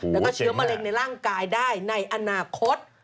แล้วก็เชื้อมะเร็งในร่างกายได้ในอนาคต